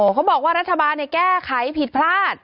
เขาบอกว่ารัฐบาลแก้ไขผิดพลาด